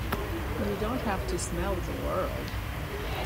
You don't have to smell the world!